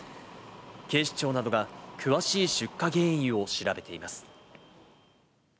警視庁などが、詳しい出火原因を調べています。